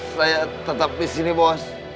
saya tetap disini bos